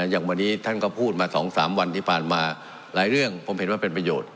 อย่างวันนี้ท่านก็พูดมา๒๓วันที่ผ่านมาหลายเรื่องผมเห็นว่าเป็นประโยชน์